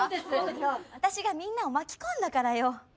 私がみんなを巻き込んだからよ。